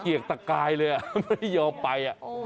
เกียกตะกายเลยอ่ะไม่ได้ยอมไปอ่ะ